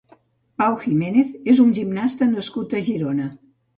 Pau Jiménez és un gimnasta nascut a Girona.